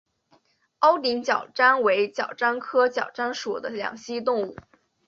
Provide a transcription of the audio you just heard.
凹顶角蟾为角蟾科角蟾属的两栖动物。